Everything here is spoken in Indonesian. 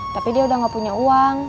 tapi dia udah gak punya uang